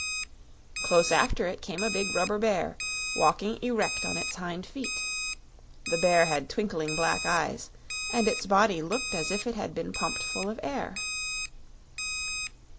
Close after it came a big rubber bear, walking erect on its hind feet. The bear had twinkling black eyes, and its body looked as if it had been pumped full of air.